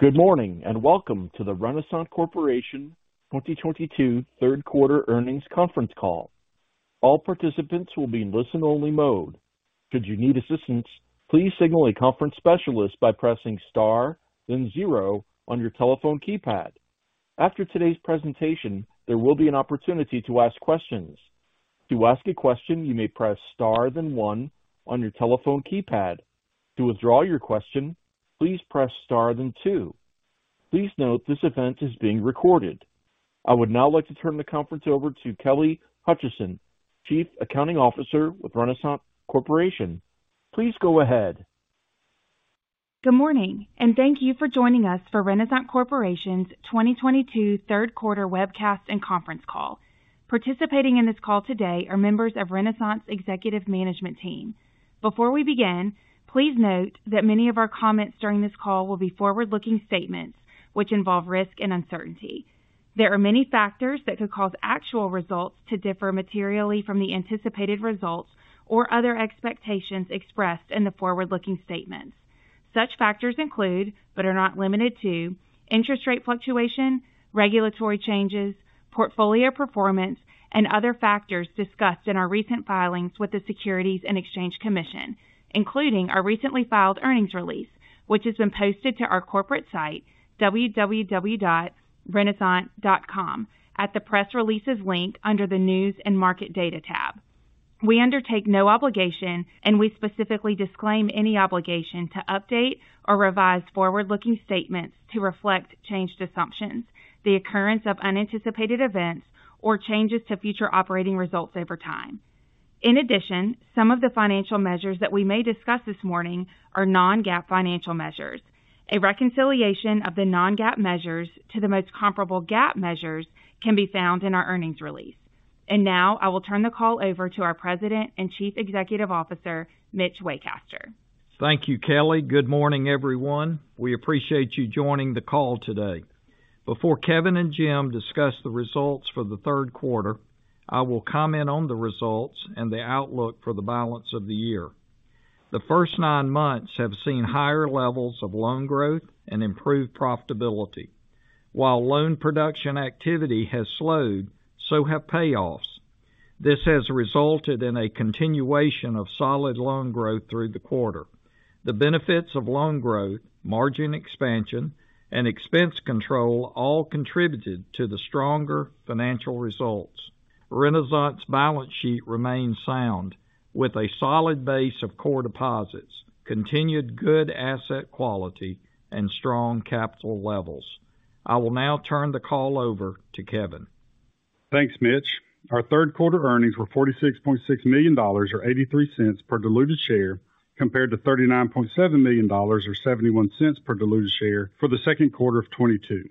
Good morning, and welcome to the Renasant Corporation 2022 third quarter earnings conference call. All participants will be in listen only mode. Should you need assistance, please signal a conference specialist by pressing Star, then zero on your telephone keypad. After today's presentation, there will be an opportunity to ask questions. To ask a question, you may press Star then one on your telephone keypad. To withdraw your question, please press Star then two. Please note this event is being recorded. I would now like to turn the conference over to Kelly Hutcheson, Chief Accounting Officer with Renasant Corporation. Please go ahead. Good morning, and thank you for joining us for Renasant Corporation's 2022 third quarter webcast and conference call. Participating in this call today are members of Renasant's executive management team. Before we begin, please note that many of our comments during this call will be forward-looking statements, which involve risk and uncertainty. There are many factors that could cause actual results to differ materially from the anticipated results or other expectations expressed in the forward-looking statements. Such factors include, but are not limited to interest rate fluctuation, regulatory changes, portfolio performance, and other factors discussed in our recent filings with the Securities and Exchange Commission, including our recently filed earnings release, which has been posted to our corporate site www.renasant.com at the press releases link under the News and Market data tab. We undertake no obligation, and we specifically disclaim any obligation to update or revise forward-looking statements to reflect changed assumptions, the occurrence of unanticipated events or changes to future operating results over time. In addition, some of the financial measures that we may discuss this morning are non-GAAP financial measures. A reconciliation of the non-GAAP measures to the most comparable GAAP measures can be found in our earnings release. Now I will turn the call over to our President and Chief Executive Officer, Mitch Waycaster. Thank you, Kelly. Good morning, everyone. We appreciate you joining the call today. Before Kevin and Jim discuss the results for the third quarter, I will comment on the results and the outlook for the balance of the year. The first nine months have seen higher levels of loan growth and improved profitability. While loan production activity has slowed, so have payoffs. This has resulted in a continuation of solid loan growth through the quarter. The benefits of loan growth, margin expansion and expense control all contributed to the stronger financial results. Renasant's balance sheet remains sound with a solid base of core deposits, continued good asset quality and strong capital levels. I will now turn the call over to Kevin. Thanks, Mitch. Our third quarter earnings were $46.6 million, or $0.83 per diluted share, compared to $39.7 million or $0.71 per diluted share for the second quarter of 2022.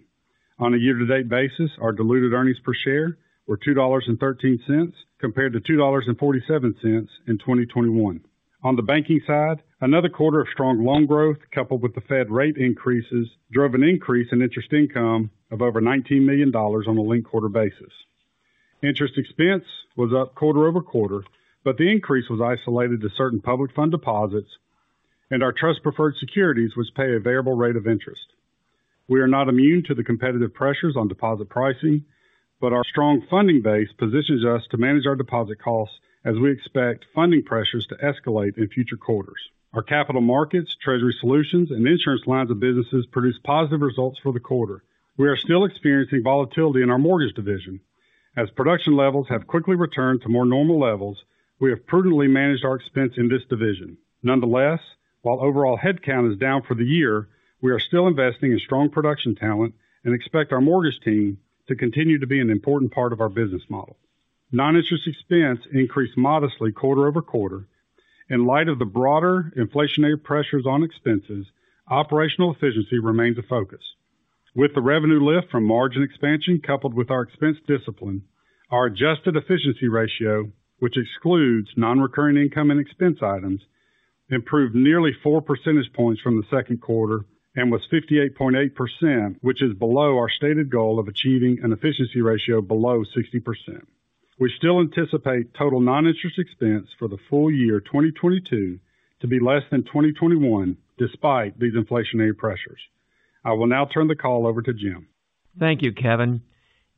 On a year-to-date basis, our diluted earnings per share were $2.13 compared to $2.47 in 2021. On the banking side, another quarter of strong loan growth, coupled with the Fed rate increases, drove an increase in interest income of over $19 million on a linked quarter basis. Interest expense was up quarter-over-quarter, but the increase was isolated to certain public fund deposits and our trust preferred securities, which pay a variable rate of interest. We are not immune to the competitive pressures on deposit pricing, but our strong funding base positions us to manage our deposit costs as we expect funding pressures to escalate in future quarters. Our capital markets, treasury solutions and insurance lines of businesses produced positive results for the quarter. We are still experiencing volatility in our mortgage division. As production levels have quickly returned to more normal levels, we have prudently managed our expense in this division. Nonetheless, while overall headcount is down for the year, we are still investing in strong production talent and expect our mortgage team to continue to be an important part of our business model. Noninterest expense increased modestly quarter over quarter. In light of the broader inflationary pressures on expenses, operational efficiency remains a focus. With the revenue lift from margin expansion, coupled with our expense discipline, our adjusted efficiency ratio, which excludes non-recurring income and expense items, improved nearly 4 percentage points from the second quarter and was 58.8%, which is below our stated goal of achieving an efficiency ratio below 60%. We still anticipate total noninterest expense for the full year 2022 to be less than 2021 despite these inflationary pressures. I will now turn the call over to Jim. Thank you, Kevin.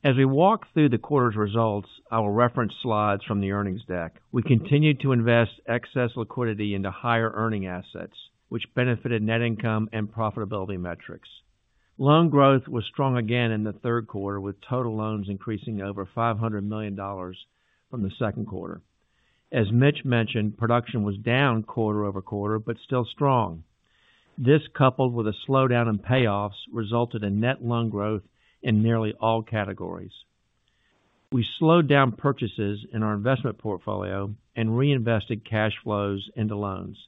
As we walk through the quarter's results, I will reference slides from the earnings deck. We continued to invest excess liquidity into higher earning assets, which benefited net income and profitability metrics. Loan growth was strong again in the third quarter, with total loans increasing over $500 million from the second quarter. As Mitch mentioned, production was down quarter-over-quarter, but still strong. This, coupled with a slowdown in payoffs, resulted in net loan growth in nearly all categories. We slowed down purchases in our investment portfolio and reinvested cash flows into loans.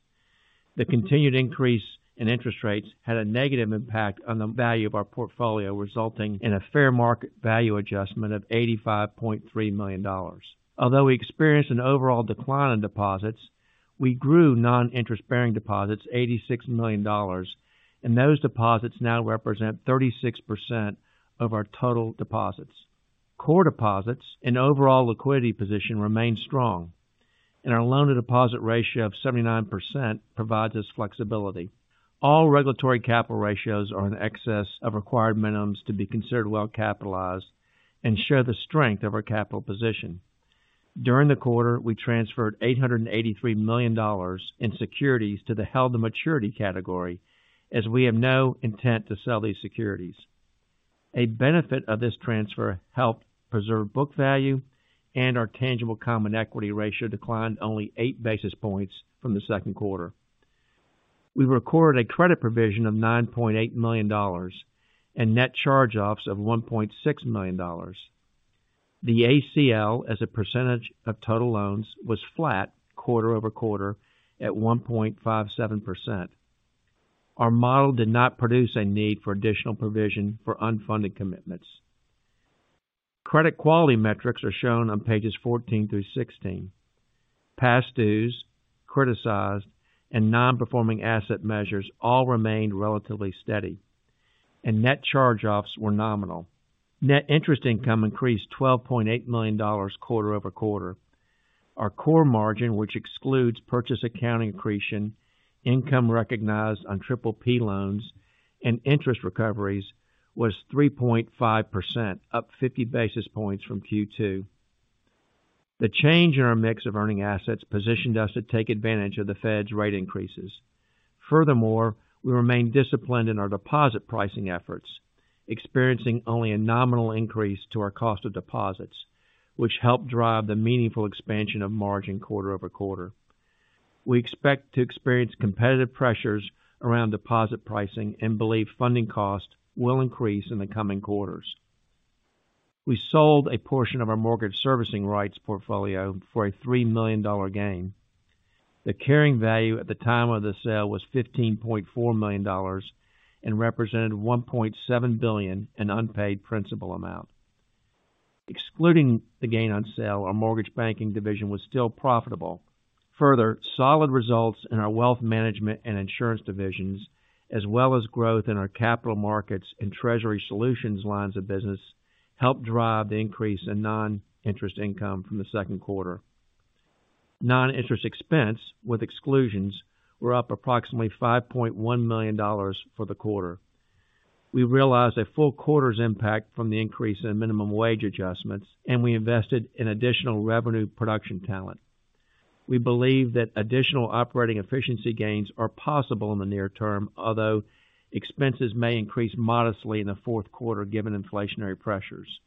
The continued increase in interest rates had a negative impact on the value of our portfolio, resulting in a fair market value adjustment of $85.3 million. Although we experienced an overall decline in deposits, we grew noninterest-bearing deposits $86 million, and those deposits now represent 36% of our total deposits. Core deposits and overall liquidity position remain strong. Our loan-to-deposit ratio of 79% provides us flexibility. All regulatory capital ratios are in excess of required minimums to be considered well capitalized and share the strength of our capital position. During the quarter, we transferred $883 million in securities to the held-to-maturity category, as we have no intent to sell these securities. A benefit of this transfer helped preserve book value and our tangible common equity ratio declined only 8 basis points from the second quarter. We recorded a credit provision of $9.8 million and net charge-offs of $1.6 million. The ACL as a percentage of total loans was flat quarter-over-quarter at 1.57%. Our model did not produce a need for additional provision for unfunded commitments. Credit quality metrics are shown on pages 14 through 16. Past dues, criticized and nonperforming asset measures all remained relatively steady, and net charge-offs were nominal. Net interest income increased $12.8 million quarter-over-quarter. Our core margin, which excludes purchase accounting accretion income recognized on PPP loans and interest recoveries, was 3.5%, up 50 basis points from Q2. The change in our mix of earning assets positioned us to take advantage of the Fed's rate increases. Furthermore, we remain disciplined in our deposit pricing efforts, experiencing only a nominal increase to our cost of deposits, which helped drive the meaningful expansion of margin quarter-over-quarter. We expect to experience competitive pressures around deposit pricing and believe funding costs will increase in the coming quarters. We sold a portion of our mortgage servicing rights portfolio for a $3 million gain. The carrying value at the time of the sale was $15.4 million and represented $1.7 billion in unpaid principal amount. Excluding the gain on sale, our mortgage banking division was still profitable. Further solid results in our wealth management and insurance divisions, as well as growth in our capital markets and treasury solutions lines of business helped drive the increase in non-interest income from the second quarter. Noninterest expense with exclusions were up approximately $5.1 million for the quarter. We realized a full quarter's impact from the increase in minimum wage adjustments, and we invested in additional revenue production talent. We believe that additional operating efficiency gains are possible in the near term, although expenses may increase modestly in the fourth quarter given inflationary pressures.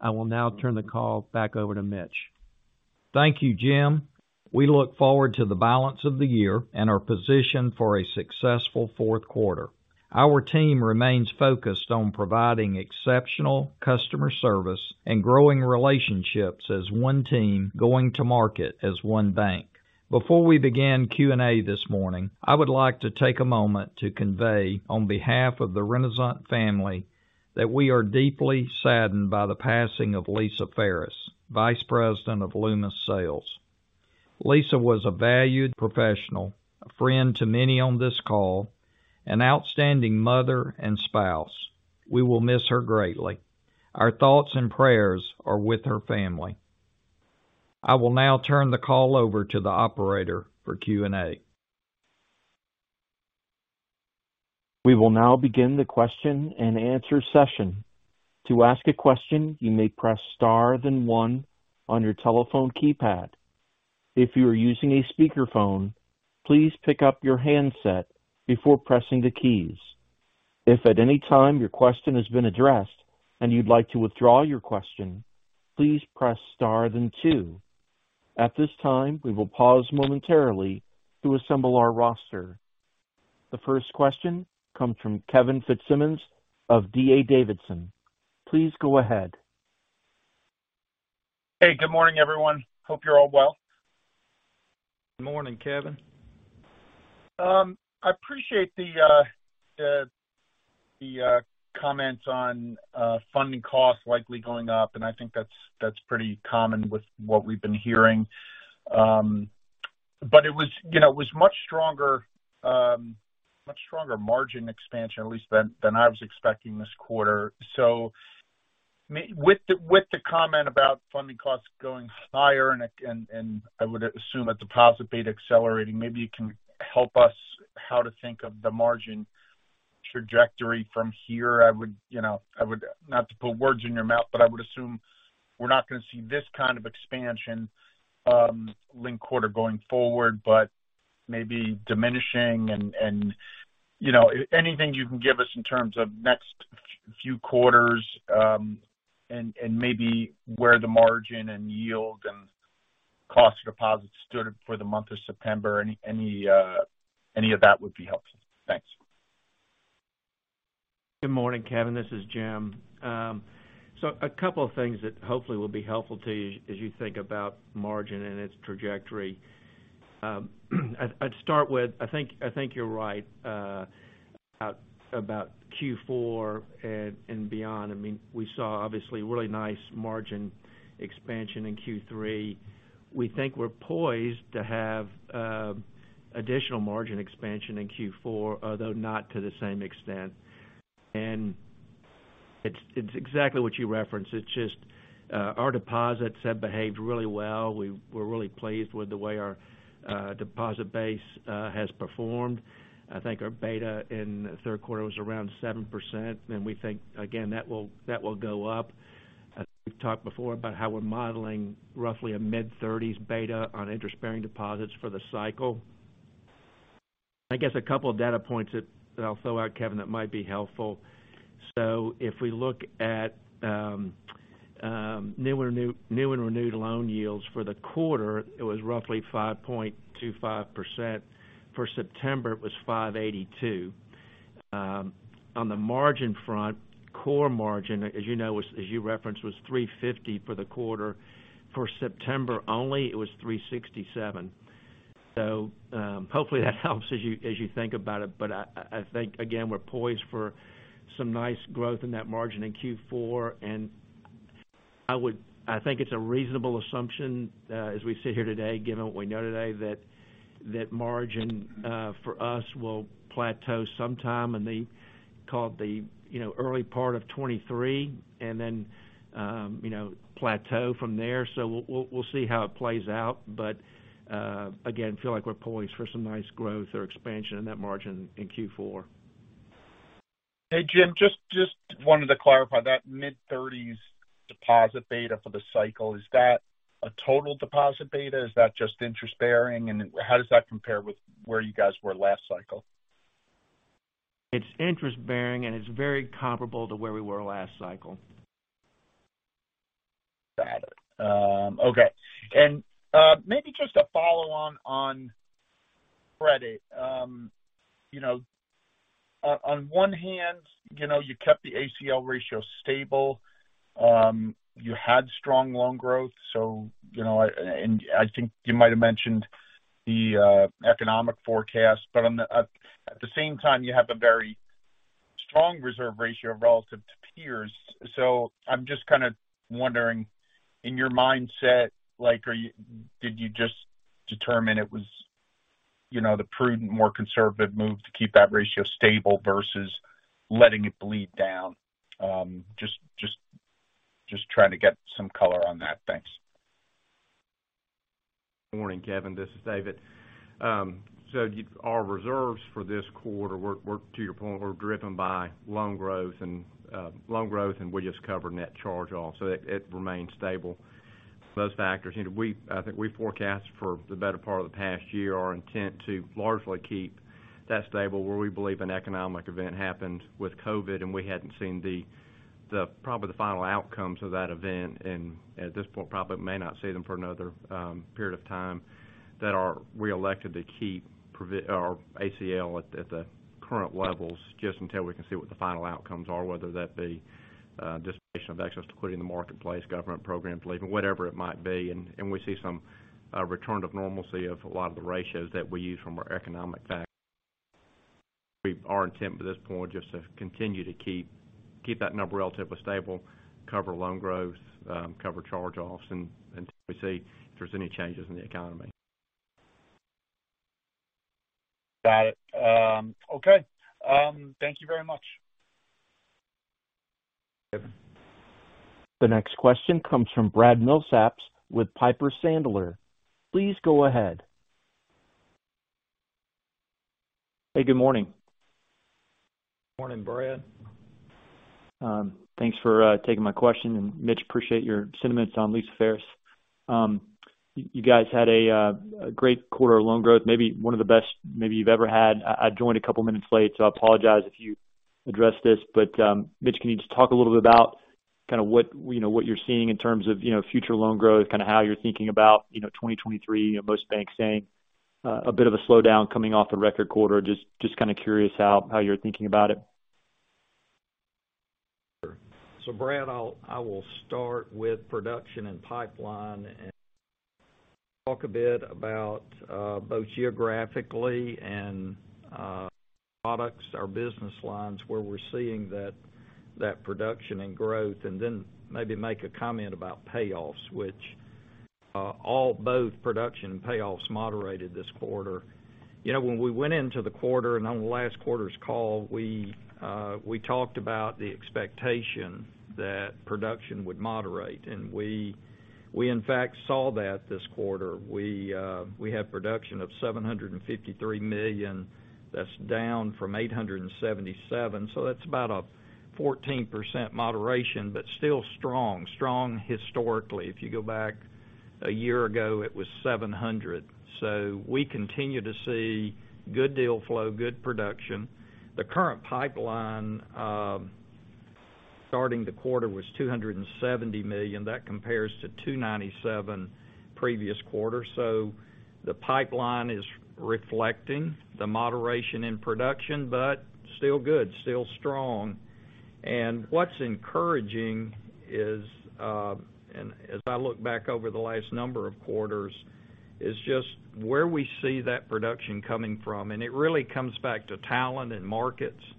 I will now turn the call back over to Mitch. Thank you, Jim. We look forward to the balance of the year and are positioned for a successful fourth quarter. Our team remains focused on providing exceptional customer service and growing relationships as one team going to market as one bank. Before we begin Q&A this morning, I would like to take a moment to convey on behalf of the Renasant family that we are deeply saddened by the passing of Lisa Ferris, Vice President of Loomis Sayles. Lisa was a valued professional, a friend to many on this call, an outstanding mother and spouse. We will miss her greatly. Our thoughts and prayers are with her family. I will now turn the call over to the operator for Q&A. We will now begin the question and answer session. To ask a question, you may press star then one on your telephone keypad. If you are using a speakerphone, please pick up your handset before pressing the keys. If at any time your question has been addressed and you'd like to withdraw your question, please press star then two. At this time, we will pause momentarily to assemble our roster. The first question comes from Kevin Fitzsimmons of D.A. Davidson. Please go ahead. Hey, good morning, everyone. Hope you're all well. Morning, Kevin. I appreciate the comments on funding costs likely going up, and I think that's pretty common with what we've been hearing. It was, you know, much stronger margin expansion at least than I was expecting this quarter. With the comment about funding costs going higher and I would assume a deposit rate accelerating, maybe you can help us how to think of the margin trajectory from here. I would, you know, not to put words in your mouth, but I would assume we're not going to see this kind of expansion, linked quarter going forward, but maybe diminishing and you know, anything you can give us in terms of next few quarters, and maybe where the margin and yield and cost of deposits stood for the month of September. Any of that would be helpful. Thanks. Good morning, Kevin. This is Jim. A couple of things that hopefully will be helpful to you as you think about margin and its trajectory. I'd start with I think you're right about Q4 and beyond. I mean, we saw obviously really nice margin expansion in Q3. We think we're poised to have additional margin expansion in Q4, although not to the same extent. It's exactly what you referenced. It's just our deposits have behaved really well. We're really pleased with the way our deposit base has performed. I think our beta in the third quarter was around 7%, and we think again, that will go up. As we've talked before about how we're modeling roughly a mid-30s beta on interest-bearing deposits for the cycle. I guess a couple of data points that I'll throw out, Kevin, that might be helpful. If we look at new and renewed loan yields for the quarter, it was roughly 5.25%. For September, it was 5.82%. On the margin front, core margin, as you know, as you referenced, was 3.50% for the quarter. For September only, it was 3.67%. Hopefully that helps as you think about it. I think again, we're poised for some nice growth in that margin in Q4. I think it's a reasonable assumption, as we sit here today, given what we know today, that margin for us will plateau sometime, call it the, you know, early part of 2023 and then, you know, plateau from there. We'll see how it plays out. Again, feel like we're poised for some nice growth or expansion in that margin in Q4. Hey, Jim, just wanted to clarify that mid-30s deposit beta for the cycle, is that a total deposit beta? Is that just interest-bearing? How does that compare with where you guys were last cycle? It's interest-bearing, and it's very comparable to where we were last cycle. Got it. Okay. Maybe just a follow on credit. You know, on one hand, you know, you kept the ACL ratio stable. You had strong loan growth, so you know, and I think you might have mentioned the economic forecast. But at the same time, you have a very strong reserve ratio relative to peers. So I'm just kind of wondering, in your mindset, like, did you just determine it was, you know, the prudent, more conservative move to keep that ratio stable versus letting it bleed down? Just trying to get some color on that. Thanks. Morning, Kevin, this is David. So our reserves for this quarter were, to your point, driven by loan growth, and we just covered net charge-offs, so it remained stable. Those factors, I think we forecast for the better part of the past year our intent to largely keep that stable, where we believe an economic event happened with COVID-19, and we hadn't seen probably the final outcomes of that event. At this point, probably may not see them for another period of time that we elected to keep provision or ACL at the current levels just until we can see what the final outcomes are, whether that be dissipation of access to liquidity in the marketplace, government programs leaving, whatever it might be. We see some return to normalcy of a lot of the ratios that we use from our economic factors. Our intent at this point just to continue to keep that number relatively stable, cover loan growth, cover charge-offs, and see if there's any changes in the economy. Got it. Okay. Thank you very much. Kevin. The next question comes from Brad Milsaps with Piper Sandler. Please go ahead. Hey, good morning. Morning, Brad. Thanks for taking my question. Mitch, appreciate your sentiments on Lisa Ferris. You guys had a great quarter of loan growth, maybe one of the best you've ever had. I joined a couple minutes late, so I apologize if you addressed this. Mitch, can you just talk a little bit about kind of what, you know, what you're seeing in terms of, you know, future loan growth, kind of how you're thinking about, you know, 2023? You know, most banks saying a bit of a slowdown coming off a record quarter. Just kind of curious how you're thinking about it. Sure. Brad, I will start with production and pipeline and talk a bit about both geographically and products, our business lines, where we're seeing that production and growth, and then maybe make a comment about payoffs, which both production and payoffs moderated this quarter. You know, when we went into the quarter and on the last quarter's call, we talked about the expectation that production would moderate. We in fact saw that this quarter. We had production of $ $753 million. That's down from $877 million. That's about a 14% moderation, but still strong. Strong historically. If you go back a year ago, it was $700 million. We continue to see good deal flow, good production. The current pipeline starting the quarter was $270 million. That compares to $297 million previous quarter. The pipeline is reflecting the moderation in production, but still good, still strong. What's encouraging is, and as I look back over the last number of quarters, is just where we see that production coming from. It really comes back to talent and markets in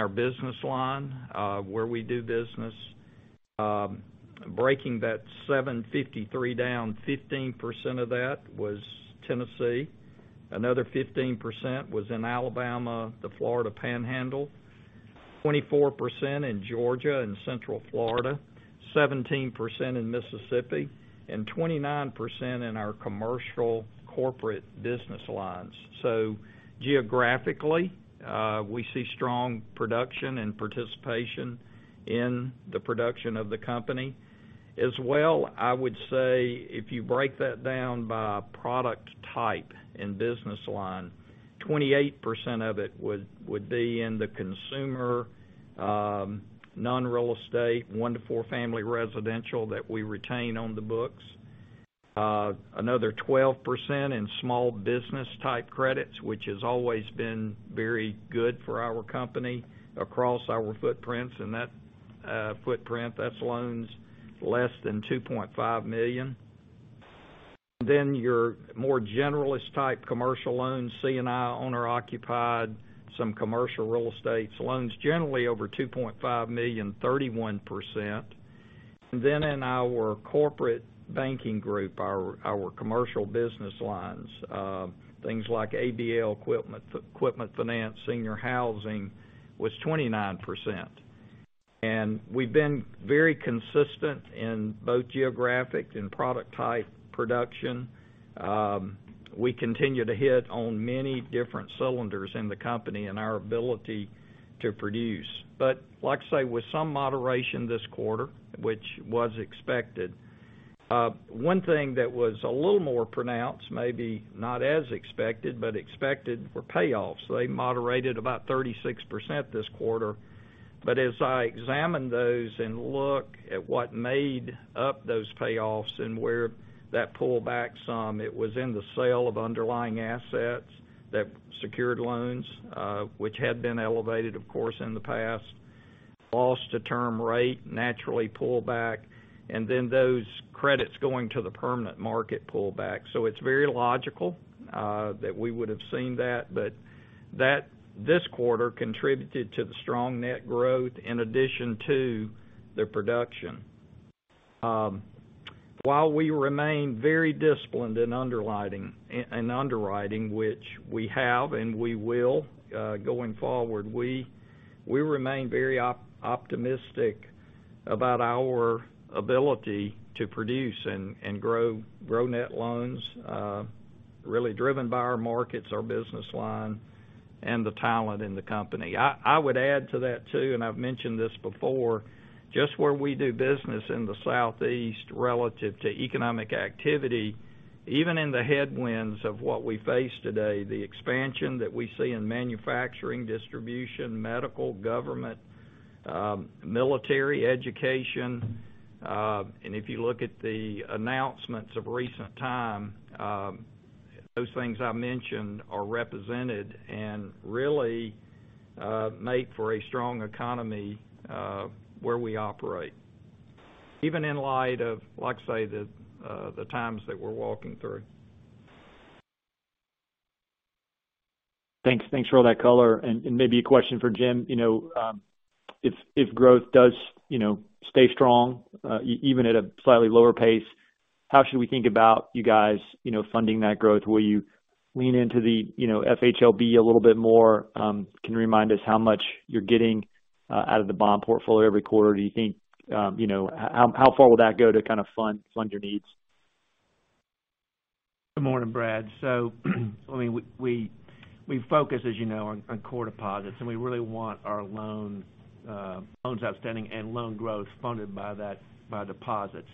our business line, where we do business. Breaking that $753 million down, 15% of that was Tennessee. Another 15% was in Alabama, the Florida Panhandle. 24% in Georgia and Central Florida. 17% in Mississippi, and 29% in our commercial corporate business lines. Geographically, we see strong production and participation in the production of the company. As well, I would say if you break that down by product type and business line, 28% of it would be in the consumer non-real estate, 1–4 family residential that we retain on the books. Another 12% in small business type credits, which has always been very good for our company across our footprints. In that footprint, that's loans less than $2.5 million. Then your more generalist type commercial loans, C&I, owner-occupied, some commercial real estate loans generally over $2.5 million, 31%. Then in our Corporate Banking Group, our commercial business lines, things like ABL, equipment finance, senior housing was 29%. We've been very consistent in both geographic and product type production. We continue to hit on many different cylinders in the company and our ability to produce. Like I say, with some moderation this quarter, which was expected, one thing that was a little more pronounced, maybe not as expected, but expected, were payoffs. They moderated about 36% this quarter. As I examine those and look at what made up those payoffs and where that pulled back some, it was in the sale of underlying assets that secured loans, which had been elevated, of course, in the past. Loss to term rate naturally pull back, and then those credits going to the permanent market pull back. It's very logical that we would have seen that, but that this quarter contributed to the strong net growth in addition to the production. While we remain very disciplined in underwriting, which we have and we will going forward, we remain very optimistic about our ability to produce and grow net loans, really driven by our markets, our business line, and the talent in the company. I would add to that too, and I've mentioned this before, just where we do business in the Southeast relative to economic activity, even in the headwinds of what we face today, the expansion that we see in manufacturing, distribution, medical, government, military, education. If you look at the announcements of recent time, those things I mentioned are represented and really make for a strong economy where we operate, even in light of, like I say, the times that we're walking through. Thanks. Thanks for all that color. Maybe a question for Jim, you know, if growth does, you know, stay strong, even at a slightly lower pace, how should we think about you guys, you know, funding that growth? Will you lean into the, you know, FHLB a little bit more? Can you remind us how much you're getting out of the bond portfolio every quarter? Do you think, you know, how far will that go to kind of fund your needs? Good morning, Brad. I mean, we focus, as you know, on core deposits, and we really want our loans outstanding and loan growth funded by that, by deposits.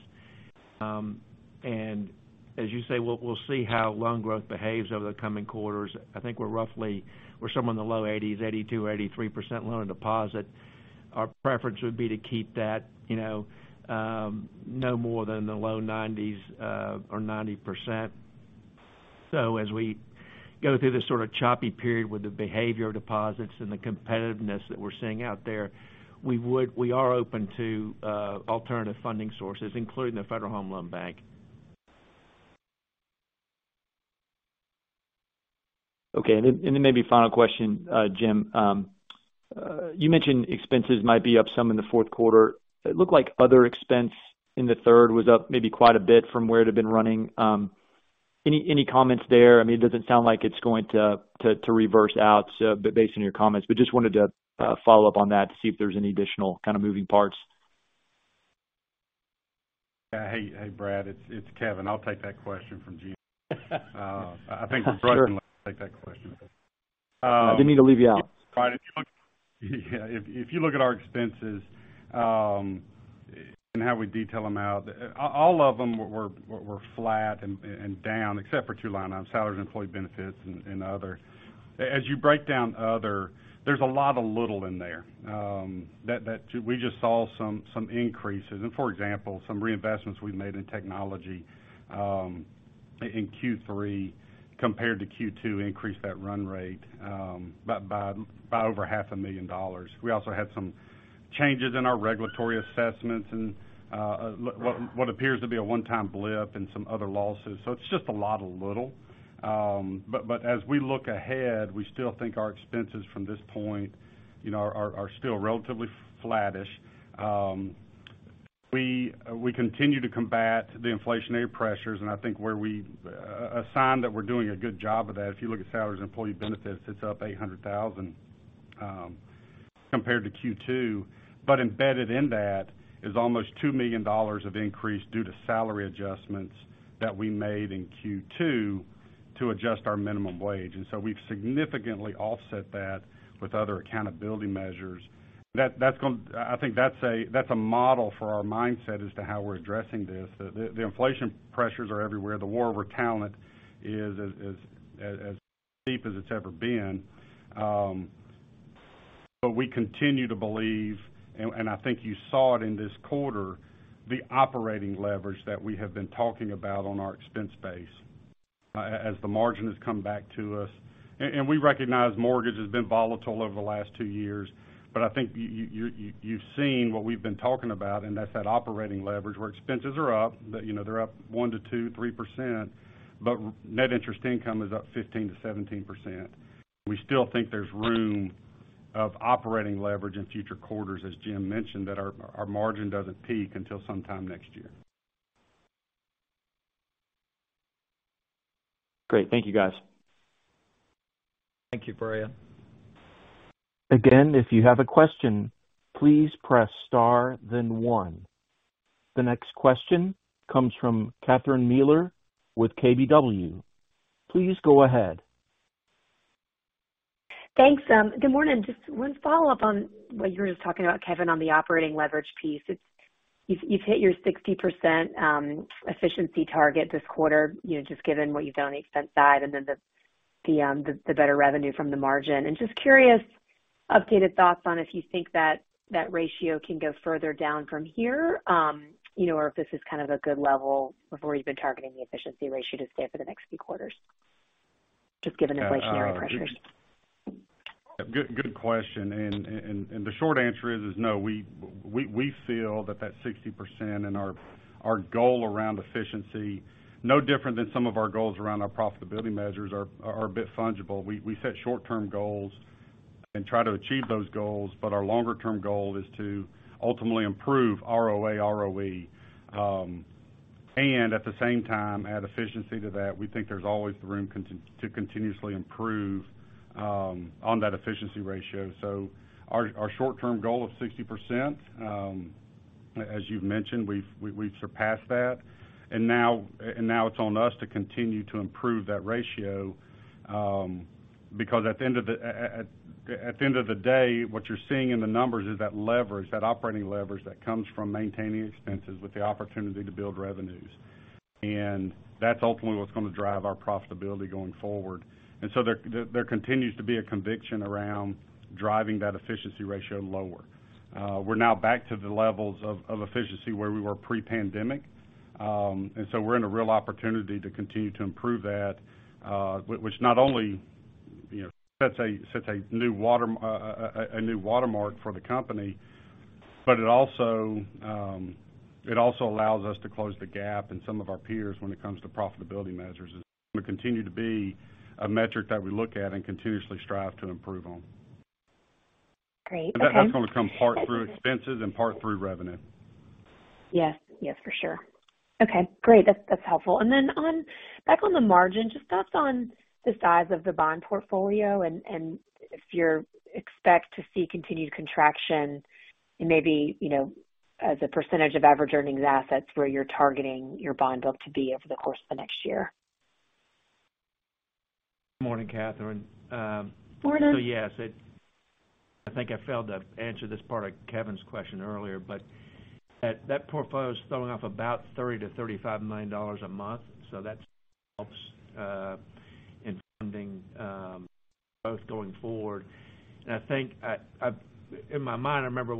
As you say, we'll see how loan growth behaves over the coming quarters. I think we're roughly somewhere in the low 80s, 82, 83% loan deposit. Our preference would be to keep that, you know, no more than the low 90s or 90%. As we go through this sort of choppy period with the behavior deposits and the competitiveness that we're seeing out there, we are open to alternative funding sources, including the Federal Home Loan Bank. Okay. Maybe final question, Jim. You mentioned expenses might be up some in the fourth quarter. It looked like other expense in the third was up maybe quite a bit from where it had been running. Any comments there? I mean, it doesn't sound like it's going to reverse out so based on your comments, but just wanted to follow up on that to see if there's any additional kind of moving parts. Yeah. Hey, Brad, it's Kevin. I'll take that question from Jim. Sure. I think for Kevin to take that question. Didn't mean to leave you out. If you look at our expenses, and how we detail them out, all of them were flat and down except for two line items, salary and employee benefits and other. As you break down other, there's a lot of little in there that we just saw some increases. For example, some reinvestments we made in technology in Q3 compared to Q2 increased that run rate by over half a million dollars. We also had some changes in our regulatory assessments and what appears to be a one-time blip and some other losses. It's just a lot of little. But as we look ahead, we still think our expenses from this point, you know, are still relatively flattish. We continue to combat the inflationary pressures, and I think a sign that we're doing a good job of that, if you look at salaries, employee benefits, it's up $800,000 compared to Q2. But embedded in that is almost $2 million of increase due to salary adjustments that we made in Q2 to adjust our minimum wage. We've significantly offset that with other accountability measures. I think that's a model for our mindset as to how we're addressing this. The inflation pressures are everywhere. The war over talent is as deep as it's ever been. We continue to believe, and I think you saw it in this quarter, the operating leverage that we have been talking about on our expense base as the margin has come back to us. We recognize mortgage has been volatile over the last two years. I think you've seen what we've been talking about, and that's that operating leverage where expenses are up, but you know, they're up 1%-3%, but net interest income is up 15%-17%. We still think there's room for operating leverage in future quarters, as Jim mentioned, that our margin doesn't peak until sometime next year. Great. Thank you, guys. Thank you, Brad. Again, if you have a question, please press star then one. The next question comes from Catherine Mealor with KBW. Please go ahead. Thanks, good morning. Just one follow-up on what you were just talking about, Kevin, on the operating leverage piece. You've hit your 60% efficiency target this quarter, you know, just given what you've done on expense side and then the better revenue from the margin. Just curious, updated thoughts on if you think that ratio can go further down from here, you know, or if this is kind of a good level of where you've been targeting the efficiency ratio to stay for the next few quarters, just given inflationary pressures. Good question. The short answer is no. We feel that 60% and our goal around efficiency, no different than some of our goals around our profitability measures, are a bit fungible. We set short-term goals and try to achieve those goals, but our longer term goal is to ultimately improve ROA, ROE, and at the same time, add efficiency to that. We think there's always room to continuously improve on that efficiency ratio. Our short-term goal of 60%, as you've mentioned, we've surpassed that. Now it's on us to continue to improve that ratio, because at the end of the day, what you're seeing in the numbers is that leverage, that operating leverage that comes from maintaining expenses with the opportunity to build revenues. That's ultimately what's gonna drive our profitability going forward. There continues to be a conviction around driving that efficiency ratio lower. We're now back to the levels of efficiency where we were pre-pandemic. We're in a real opportunity to continue to improve that, which not only, you know, sets a new watermark for the company, but it also allows us to close the gap in some of our peers when it comes to profitability measures. It's gonna continue to be a metric that we look at and continuously strive to improve on. Great. Okay. That's gonna come part through expenses and part through revenue. Yes. Yes, for sure. Okay, great. That's helpful. Then back on the margin, just thoughts on the size of the bond portfolio and if you're expected to see continued contraction and maybe, you know, as a percentage of average earnings assets where you're targeting your bond book to be over the course of the next year. Morning, Catherine. Morning. Yes, I think I failed to answer this part of Kevin's question earlier, but that portfolio is throwing off about $30 million-$35 million a month, so that helps in funding both going forward. I think in my mind, I remember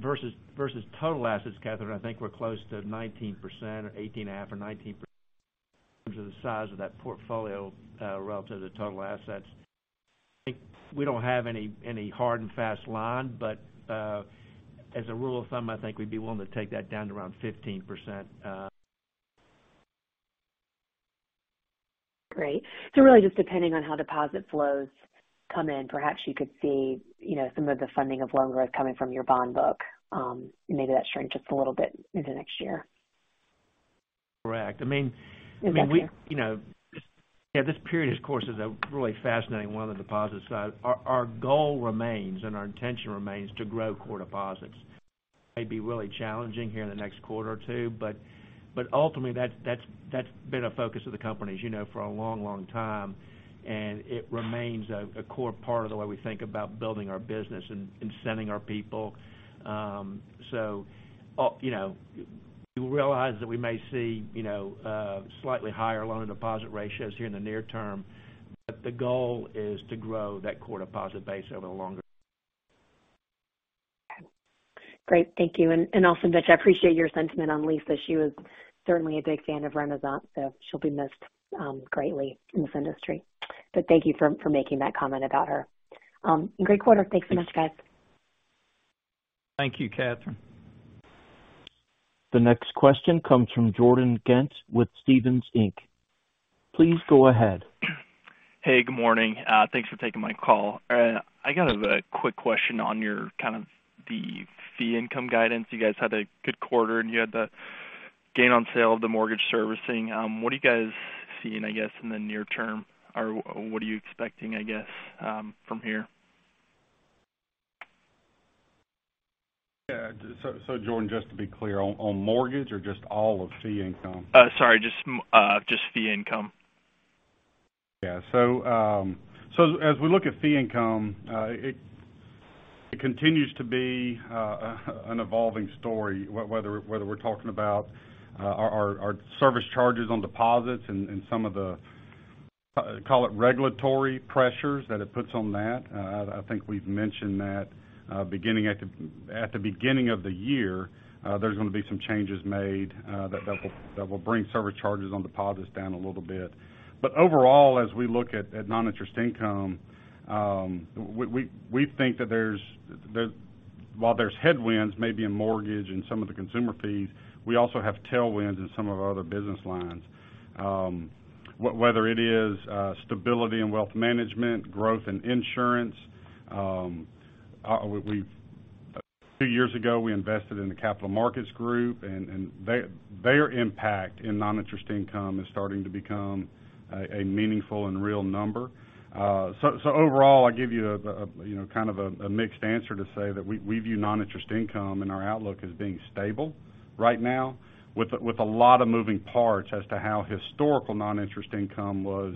versus total assets, Catherine, I think we're close to 19% or 18.5% or 19% in terms of the size of that portfolio relative to total assets. I think we don't have any hard and fast line, but as a rule of thumb, I think we'd be willing to take that down to around 15%. Great. Really just depending on how deposit flows come in, perhaps you could see, you know, some of the funding of loan growth coming from your bond book, maybe that shrink just a little bit into next year. Correct. I mean. Next year. You know, this period, of course, is a really fascinating one on the deposit side. Our goal remains and our intention remains to grow core deposits. Maybe really challenging here in the next quarter or two, but ultimately, that's been a focus of the company, as you know, for a long time, and it remains a core part of the way we think about building our business and sending our people. So, you know, we realize that we may see, you know, slightly higher loan-to-deposit ratios here in the near term, but the goal is to grow that core deposit base over the longer. Great. Thank you. Also, Mitch, I appreciate your sentiment on Lisa. She was certainly a big fan of Renasant, so she'll be missed greatly in this industry. But thank you for making that comment about her. Great quarter. Thanks so much, guys. Thank you, Catherine. The next question comes from Jordan Ghent with Stephens Inc. Please go ahead. Hey, good morning. Thanks for taking my call. I got a quick question on your kind of the fee income guidance. You guys had a good quarter, and you had the gain on sale of the mortgage servicing. What are you guys seeing, I guess, in the near term, or what are you expecting, I guess, from here? Yeah. Jordan, just to be clear, on mortgage or just all of fee income? Sorry, just fee income. Yeah. As we look at fee income, it continues to be an evolving story, whether we're talking about our service charges on deposits and some of the call it regulatory pressures that it puts on that. I think we've mentioned that, at the beginning of the year, there's going to be some changes made that will bring service charges on deposits down a little bit. Overall, as we look at non-interest income, we think that while there's headwinds maybe in mortgage and some of the consumer fees, we also have tailwinds in some of our other business lines. Whether it is stability in wealth management, growth in insurance. A few years ago, we invested in the capital markets group, and their impact in non-interest income is starting to become a meaningful and real number. So overall, I'll give you know, kind of a mixed answer to say that we view non-interest income and our outlook as being stable right now with a lot of moving parts as to how historical non-interest income was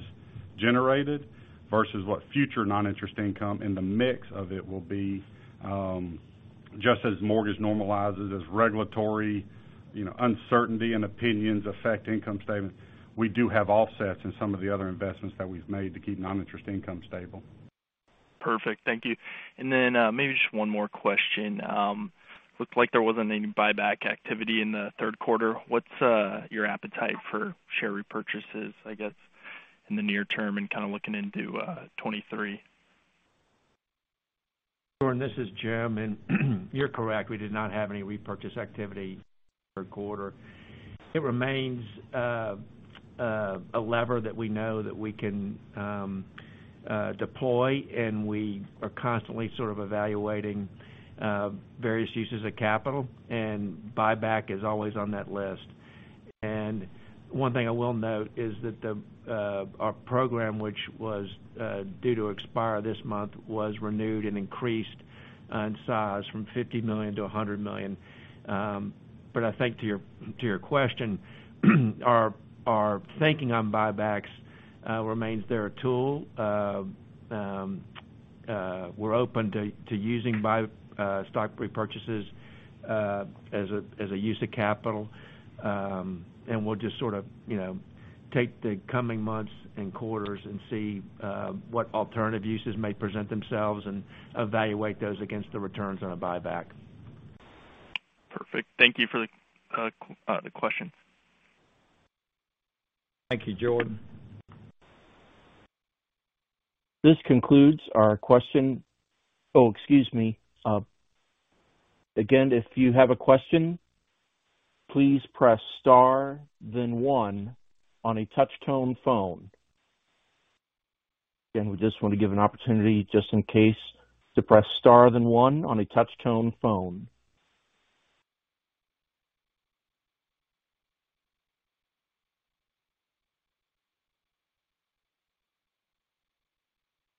generated versus what future non-interest income and the mix of it will be. Just as mortgage normalizes, as regulatory, you know, uncertainty and opinions affect income statements, we do have offsets in some of the other investments that we've made to keep non-interest income stable. Perfect. Thank you. Maybe just one more question. Looks like there wasn't any buyback activity in the third quarter. What's your appetite for share repurchases, I guess in the near term and kind of looking into 2023? Jordan, this is Jim, and you're correct. We did not have any repurchase activity third quarter. It remains a lever that we know that we can deploy, and we are constantly sort of evaluating various uses of capital, and buyback is always on that list. One thing I will note is that our program, which was due to expire this month, was renewed and increased in size from $50 million to $100 million. But I think to your question, our thinking on buybacks remains they're a tool. We're open to using buy stock repurchases as a use of capital. We'll just sort of, you know, take the coming months and quarters and see what alternative uses may present themselves and evaluate those against the returns on a buyback. Perfect. Thank you for the question. Thank you, Jordan. This concludes our question. Oh, excuse me. Again, if you have a question, please press star then one on a touch-tone phone. Again, we just want to give an opportunity, just in case, to press star then one on a touch-tone phone.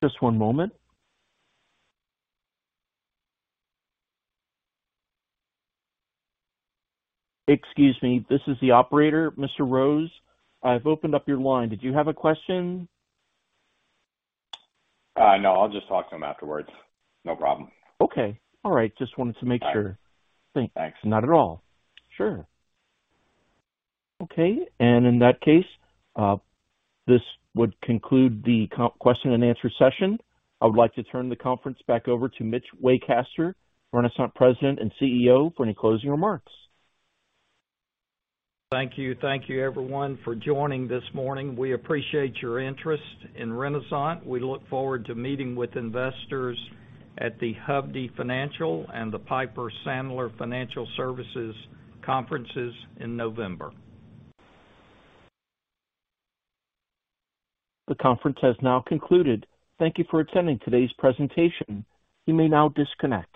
Just one moment. Excuse me. This is the operator. Michael Rose, I've opened up your line. Did you have a question? No, I'll just talk to him afterwards. No problem. Okay. All right. Just wanted to make sure. All right. Thanks. Not at all. Sure. Okay. In that case, this would conclude the question and answer session. I would like to turn the conference back over to Mitch Waycaster, Renasant President and CEO, for any closing remarks. Thank you. Thank you everyone for joining this morning. We appreciate your interest in Renasant. We look forward to meeting with investors at Hovde Financial and the Piper Sandler Financial Services conferences in November. The conference has now concluded. Thank you for attending today's presentation. You may now disconnect.